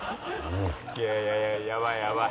「いやいややばいやばい」